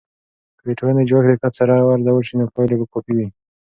که د ټولنې جوړښت دقت سره ارزول سي، نو پایلې به کافي وي.